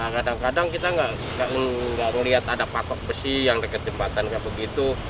kadang kadang kita gak ngelihat ada patok besi yang diketempatan ke begitu